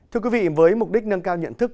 thưa quý vị với mục đích nâng cao nhận thức